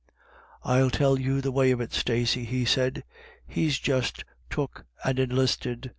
" I'll tell you the way of it, Stacey," he said, "he's just took and enlisted.